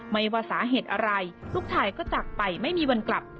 ไม่ว่าสาเหตุอะไรลูกชายก็จากไปไม่มีวันกลับ